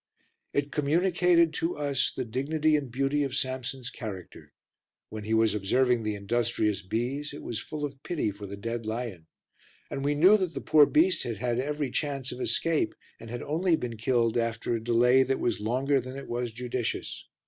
It communicated to us the dignity and beauty of Samson's character; when he was observing the industrious bees it was full of pity for the dead lion, and we knew that the poor beast had had every chance of escape and had only been killed after a delay that was longer than it was judicious.